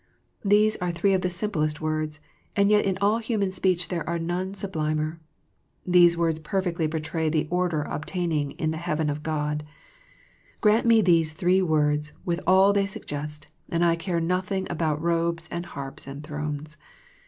These are three of the simplest words, and yet in all human speech there are none sublimer. These words perfectly portray the order obtaining in the heaven of God. Grant me these three words with all they suggest, and I care nothing about robes and harps and thrones.